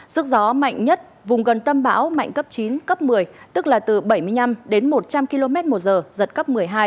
sức gió mạnh nhất vùng gần tâm bão mạnh cấp chín cấp một mươi tức là từ bảy mươi năm đến một trăm linh km một giờ giật cấp một mươi hai